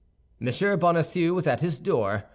Bonacieux was at his door.